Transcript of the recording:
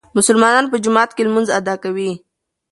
مسلمانان په جومات کې لمونځ ادا کوي.